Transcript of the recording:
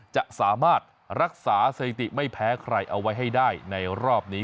จะสามารถรักษาสถิติไม่แพ้ใครเอาไว้ให้ได้ในรอบนี้